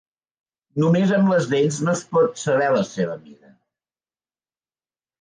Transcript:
Només amb les dents no es pot saber la seva mida.